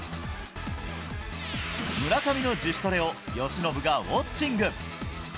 村上の自主トレを、由伸がウォッチング！